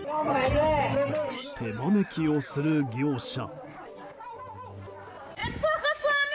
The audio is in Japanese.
手招きをする業者。